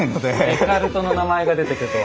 デカルトの名前が出てくるとは。